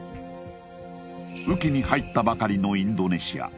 雨季に入ったばかりのインドネシア